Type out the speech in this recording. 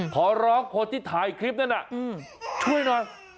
ขอร้องคนที่ถ่ายคลิปนั้นช่วยหน่อย